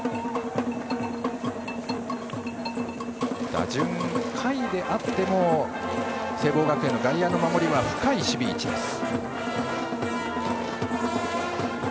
打順下位であっても聖望学園の外野の守りは深い守備位置です。